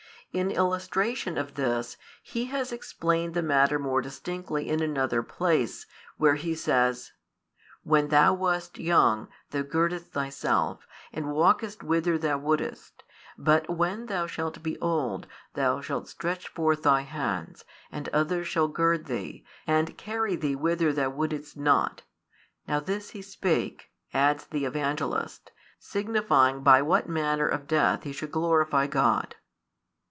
In illustration of this He has explained the matter more distinctly in another place, where He says: When thou wast young, thou girdedst thyself, and walkedst whither thou wouldest: but when thou shalt be old, thou shalt stretch forth thy hands, and others shall gird thee, and carry thee whither thou wouldest not. Now this He spake, adds the Evangelist, signifying by what |227 manner of death he should glorify God.